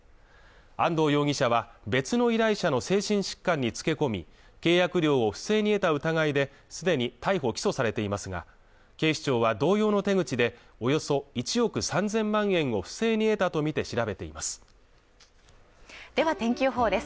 安藤容疑者は別の依頼者の精神疾患につけこみ契約料を不正に得た疑いですでに逮捕起訴されていますが警視庁は同様の手口でおよそ１億３０００万円を不正に得たとみて調べていますでは天気予報です